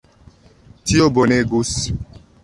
Tio bonegus!